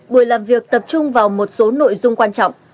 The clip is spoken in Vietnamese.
buổi làm việc tập trung vào một số nội dung quan trọng